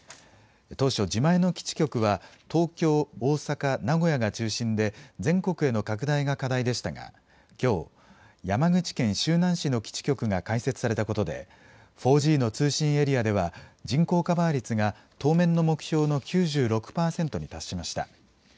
当初、自前の基地局は、東京、大阪、名古屋が中心で、全国への拡大が課題でしたが、きょう、山口県周南市の基地局が開設されたことで、４Ｇの通信エリアでは人口カバー率が当面の目標の９６％に達しました。